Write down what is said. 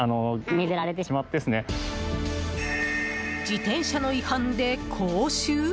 自転車の違反で講習？